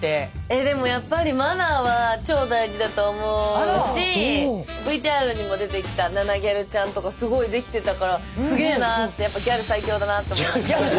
えでもやっぱりマナーは超大事だと思うしＶＴＲにも出てきたナナぎゃるちゃんとかすごいできてたからすげーなーってギャル最強。